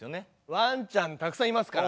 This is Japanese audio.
ワンちゃんたくさんいますから。